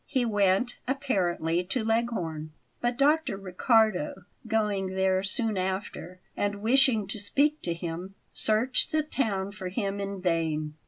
He went, apparently, to Leghorn; but Dr. Riccardo, going there soon after and wishing to speak to him, searched the town for him in vain.